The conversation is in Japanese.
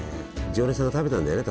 常連さんが食べたんだよね